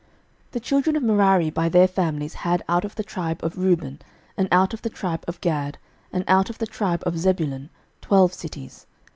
06:021:007 The children of Merari by their families had out of the tribe of Reuben, and out of the tribe of Gad, and out of the tribe of Zebulun, twelve cities.